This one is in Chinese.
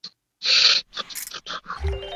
由于故事与电视版多所不同。